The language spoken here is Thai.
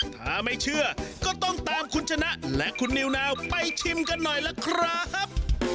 ถ้าไม่เชื่อก็ต้องตามคุณชนะและคุณนิวนาวไปชิมกันหน่อยล่ะครับ